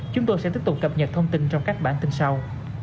chúng tôi sẽ tiếp tục cập nhật thông tin trong các bản tin sau